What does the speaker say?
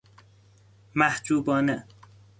محجوبانه